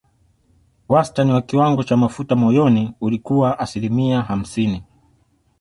Wastani wa kiwango cha mafuta moyoni ulikuwa asilimia hamsini